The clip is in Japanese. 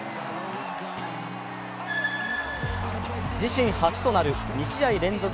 自身初となる２試合連続